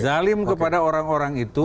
zalim kepada orang orang itu